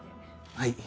はい。